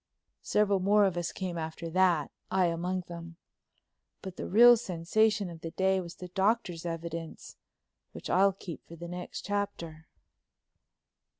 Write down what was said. Several more of us came after that, I among them. But the real sensation of the day was the Doctor's evidence, which I'll keep for the next chapter.